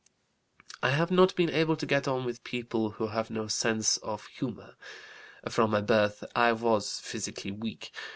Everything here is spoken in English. I have not been able to get on with people who have no sense of humor. From my birth I was physically weak.